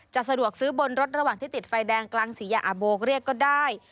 สะดวกซื้อบนรถระหว่างที่ติดไฟแดงกลางศรียาอาโบเรียกก็ได้